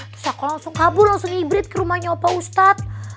terus aku langsung kabur langsung hybrid ke rumahnya opa ustadz